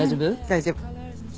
大丈夫。